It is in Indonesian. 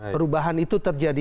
perubahan itu terjadi